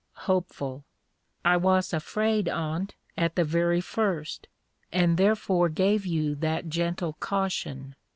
HOPE. I was afraid on't at the very first, and therefore gave you that gentle caution.